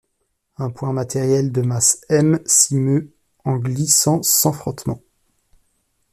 Un point matériel, de masse m, s'y meut, en glissant sans frottement.